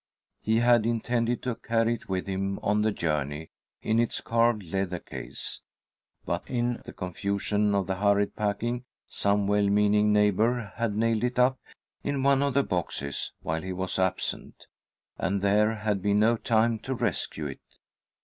He had intended to carry it with him on the journey, in its carved leather case, but in the confusion of the hurried packing, some well meaning neighbour had nailed it up in one of the boxes while he was absent, and there had been no time to rescue it.